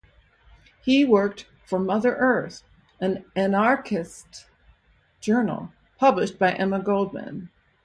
He worked for "Mother Earth", an anarchist journal published by Emma Goldman.